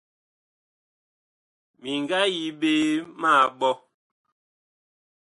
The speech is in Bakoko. Mi nga yi ɓe ma ɓɔ.